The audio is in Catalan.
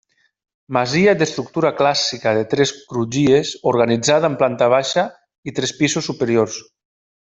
Masia d'estructura clàssica de tres crugies organitzada en planta baixa i tres pisos superiors.